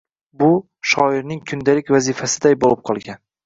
Bu – shoirning kundalik vazifasiday bo‘lib qolgan.